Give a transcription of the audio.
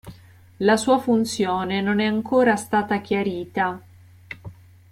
La sua funzione non è ancora stata chiarita.